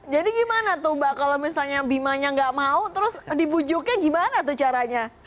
gimana tuh mbak kalau misalnya bimanya nggak mau terus dibujuknya gimana tuh caranya